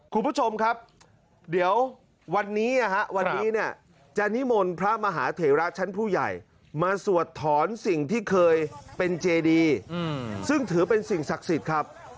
คุณผู้ชมครับเดี๋ยววันนี้วันนี้เนี่ยจะนิมนต์พระมหาเถระชั้นผู้ใหญ่มาสวดถอนสิ่งที่เคยเป็นเจดีซึ่งถือเป็นสิ่งศักดิ์สิทธิ์ครับ